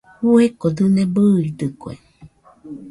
Fueko dɨne bɨidɨkue.